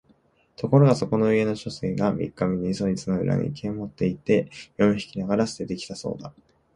ところがそこの家の書生が三日目にそいつを裏の池へ持って行って四匹ながら棄てて来たそうだ